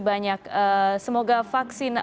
banyak semoga vaksin